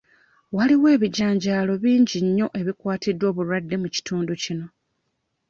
Waliwo ebijanjaalo bingi nnyo ebikwatiddwa obulwadde mu kitundu kino.